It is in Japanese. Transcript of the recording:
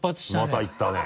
また行ったね。